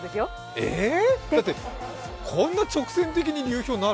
ええっ、だってこんな直線的に流氷、なる？